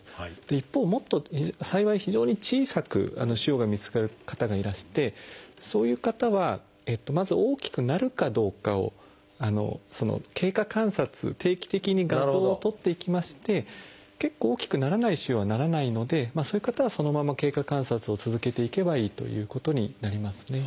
一方もっと幸い非常に小さく腫瘍が見つかる方がいらしてそういう方はまず大きくなるかどうかをあの経過観察定期的に画像を撮っていきまして結構大きくならない腫瘍はならないのでそういう方はそのまま経過観察を続けていけばいいということになりますね。